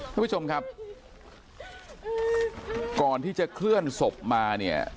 ท่านผู้ชมครับก่อนที่จะเคลื่อนศพมาเนี่ย